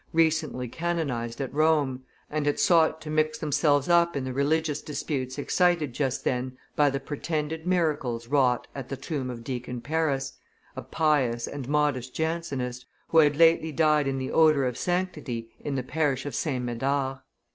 recently canonized at Rome, and had sought to mix themselves up in the religious disputes excited just then by the pretended miracles wrought at the tomb of Deacon Paris, a pious and modest Jansenist, who had lately died in the odor of sanctity in the parish of St. Medard.